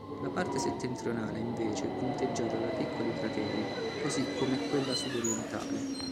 La parte settentrionale invece è punteggiata da piccoli crateri, così come quella sudorientale.